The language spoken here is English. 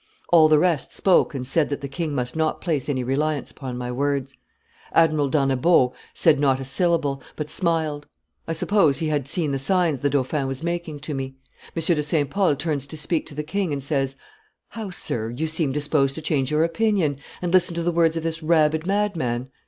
All the rest spoke and said that the king must not place any reliance upon my words. Admiral d'Annebaut said not a syllable, but smiled; I suppose he had seen the signs the dauphin was making to me. M. de St. Pol turns to speak to the king, and says, 'How, sir! You seem disposed to change your opinion, and listen to the words of this rabid madman!